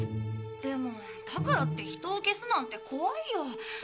でもだからって人を消すなんて怖いよ。